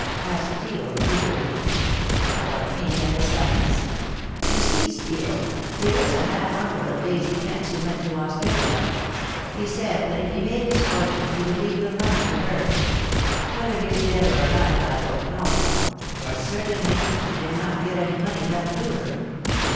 asked Steel eagerly. "About me and the summons. You see, Steel, there is a half uncle of Daisy Kent's who went to Australia. He said that if he made his fortune he would leave the money to her. Whether he is dead or alive I don't know, but certainly she did not get any money left to her.